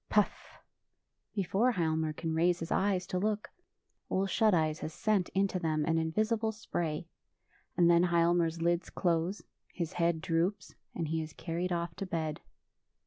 Puff ! Before Hialmar can raise his eyes to look. Ole Shut Eyes has sent into them an invisible spray; and then Hialmar's lids close, his head droops, and he is carried off to bed.